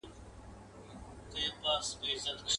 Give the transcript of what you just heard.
ويل واورئ دې ميدان لره راغلو.